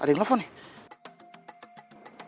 ada yang nelfon nih